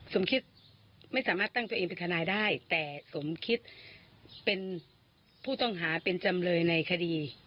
สมคิดไม่สามารถตั้งตัวเองเป็นทนายได้แต่สมคิดเป็นผู้ต้องหาเป็นจำเลยในคดี